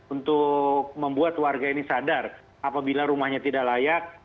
untuk membuat warga ini sadar apabila rumahnya tidak layak